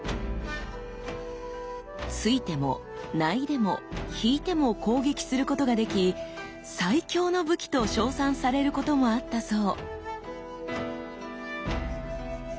突いても薙いでも引いても攻撃することができ「最強の武器」と称賛されることもあったそう。